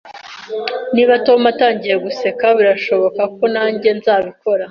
Niba Tom atangiye guseka, birashoboka ko nanjye nzabikora